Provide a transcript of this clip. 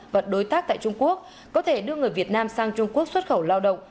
và đối tác tại trung quốc có thể đưa người việt nam sang trung quốc xuất khẩu lao động